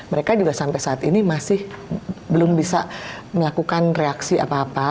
mereka juga sampai saat ini masih belum bisa melakukan reaksi apa apa